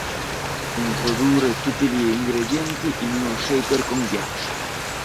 Introdurre tutti gli ingredienti in uno shaker con ghiaccio.